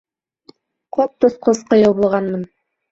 Ҡот осҡос ҡыйыу булғанмын.